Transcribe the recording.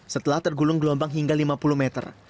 setelah tergulung gelombang hingga lima puluh meter